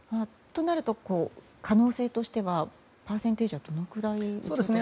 となると、可能性としてはパーセンテージはどのくらいになるんですか？